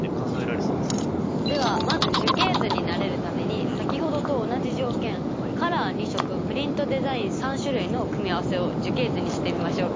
ではまず樹形図に慣れるために先ほどと同じ条件カラー２色プリントデザイン３種類の組み合わせを樹形図にしてみましょうか。